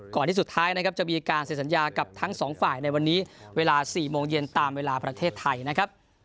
ที่สุดท้ายนะครับจะมีการเสร็จสัญญากับทั้งสองฝ่ายในวันนี้เวลา๔โมงเย็นตามเวลาประเทศไทยนะครับ